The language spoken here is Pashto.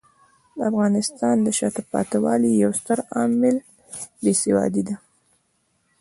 د افغانستان د شاته پاتې والي یو ستر عامل بې سوادي دی.